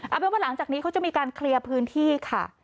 เอาเป็นว่าหลังจากนี้เขาจะมีการเคลียร์พื้นที่ค่ะ